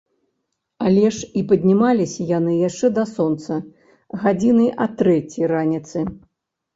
Але ж і паднімаліся яны яшчэ да сонца, гадзіны а трэцяй раніцы.